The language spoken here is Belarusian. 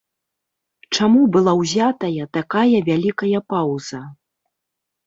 Чаму была ўзятая такая вялікая паўза?